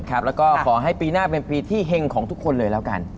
แล้วก็ขอให้ปีหน้าเป็นปีที่เฮงของทุกคนเลยแล้วกัน